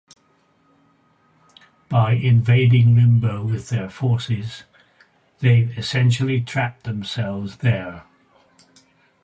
By invading Limbo with their forces, they've essentially trapped themselves there.